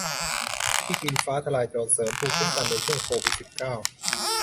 วิธีกินฟ้าทะลายโจรเสริมภูมิคุ้มกันในช่วงโควิด สิบเก้า